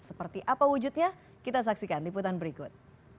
seperti apa wujudnya kita saksikan di putaran berikut